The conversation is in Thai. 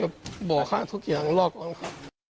รอครับบอกฆ่าทุกอย่างรอครับ